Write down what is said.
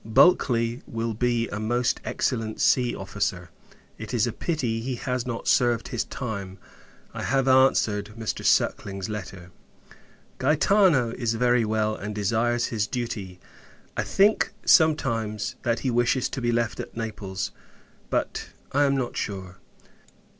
Bulkley will be a most excellent sea officer; it is a pity he has not served his time. I have answered Mr. Suckling's letter. Gaetano is very well, and desires his duty. I think, sometimes, that he wishes to be left at Naples; but, I am not sure.